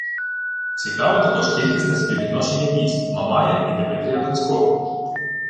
Цікаве також кількісне співвідношення військ Мамая і Димитрія Донського